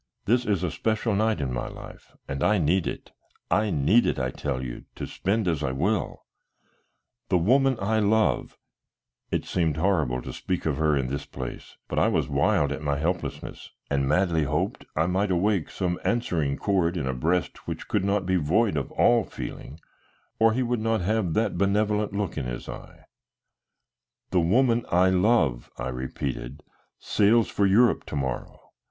This is a special night in my life, and I need it, I need it, I tell you, to spend as I will. The woman I love" it seemed horrible to speak of her in this place, but I was wild at my helplessness, and madly hoped I might awake some answering chord in a breast which could not be void of all feeling or he would not have that benevolent look in his eye "the woman I love," I repeated, "sails for Europe to morrow.